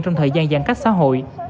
trong thời gian giãn cách xã hội